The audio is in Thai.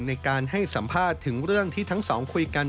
ในการให้สัมภาษณ์ถึงเรื่องที่ทั้งสองคุยกัน